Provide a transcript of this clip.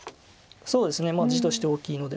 そうですね地として大きいので。